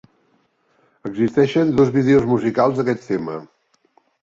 Existeixen dos vídeos musicals d'aquest tema.